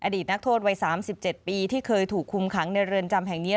ดีตนักโทษวัย๓๗ปีที่เคยถูกคุมขังในเรือนจำแห่งนี้